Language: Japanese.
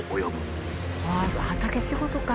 畑仕事か。